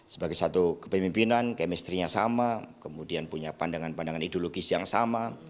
sebagai satu kepemimpinan chemistry nya sama kemudian punya pandangan pandangan ideologis yang sama